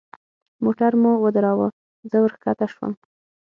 موټر مو ودراوه زه وركښته سوم.